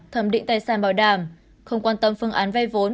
thẩm định tài sản bảo đảm không quan tâm phương án vay vốn